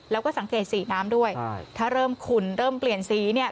แล้วก็สังเกตสีน้ำด้วยถ้าเริ่มขุ่นเริ่มเปลี่ยนสีเนี่ย